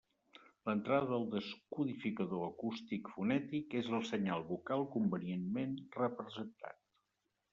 L'entrada al descodificador acústic fonètic és el senyal vocal convenientment representat.